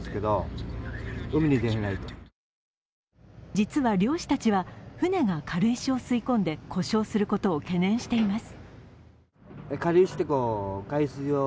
実は漁師たちは船が軽石を吸い込んで故障することを懸念しています。